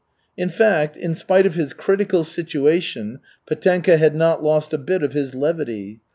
In fact, in spite of his critical situation, Petenka had not lost a bit of his levity.